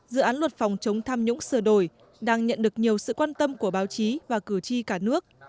dự án luật phòng chống tham nhũng sửa đổi đang nhận được nhiều sự quan tâm của báo chí và cử tri cả nước